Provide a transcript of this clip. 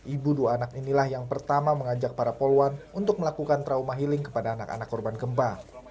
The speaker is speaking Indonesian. ibu dua anak inilah yang pertama mengajak para poluan untuk melakukan trauma healing kepada anak anak korban gempa